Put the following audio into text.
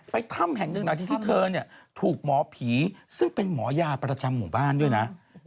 ถ้ำแห่งหนึ่งหลังจากที่เธอถูกหมอผีซึ่งเป็นหมอยาประจำหมู่บ้านด้วยนะ